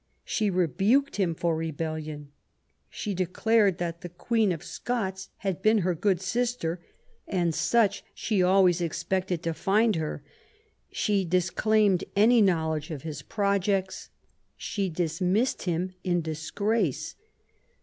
She rebuked him for rebellion; she declared that the Queen of Scots had been her good sister, and such she always expected to find her *'; she disclaimed any knowledge of his projects ; she dismissed him in disgrace.